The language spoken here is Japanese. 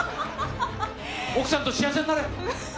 奥さんと幸せになれ！